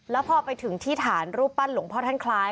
แล้วพอไปถึงที่ฐานรูปปั้นหลวงพ่อท่านคล้าย